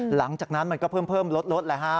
หลังจากนั้นมันก็เพิ่มลดแหละฮะ